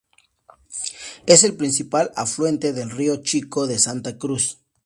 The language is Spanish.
Es el principal afluente del Río Chico de Santa Cruz.